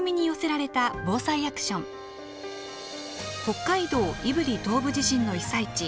北海道胆振東部地震の被災地